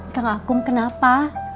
kang akum kenapa